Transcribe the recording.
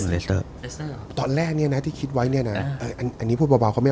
เมื่อกี้พู่ทีไทไปเค้าพูดอะไร